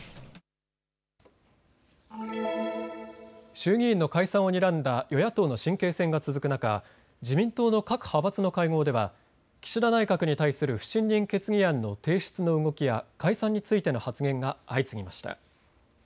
衆議院の解散をにらんだ与野党の神経戦が続く中、自民党の各派閥の会合では岸田内閣に対する不信任決議案の提出の動きや解散についての発言が相次ぎました。